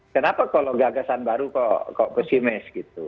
kenapa kalau gagasan baru kok pesimis gitu